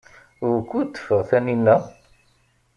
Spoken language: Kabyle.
Wukud teffeɣ Taninna?